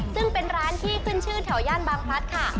ซึ่งเป็นร้านที่ขึ้นชื่อแถวย่านบางพลัดค่ะ